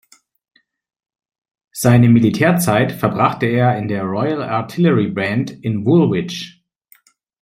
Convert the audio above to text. Seine Militärzeit verbrachte er in der Royal Artillery Band in Woolwich.